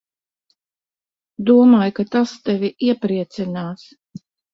Domāju, ka tas tevi iepriecinās.